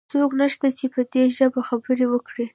څوک نشته چې په دي ژبه خبرې وکړي؟